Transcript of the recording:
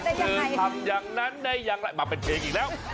เธอทำอย่างนั้นได้อย่างไรมาเป็นเพลงอีกแล้ว